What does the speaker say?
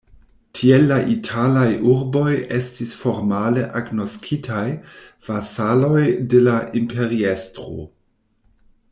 Tiel la italaj urboj estis formale agnoskitaj vasaloj de la imperiestro.